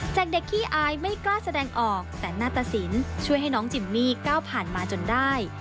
พี่อายไม่กล้าแสดงออกแต่นาฏศิลป์ช่วยให้น้องจิมมี่ก้าวผ่านมาจนได้